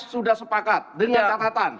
sudah sepakat dengan catatan